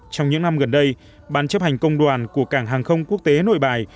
trong những năm gần đây ban chấp hành công đoàn của cảng hàng không quốc tế nội bài